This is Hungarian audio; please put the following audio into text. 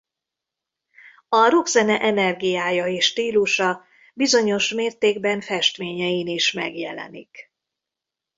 A rockzene energiája és stílusa bizonyos mértékben festményein is megjelenik.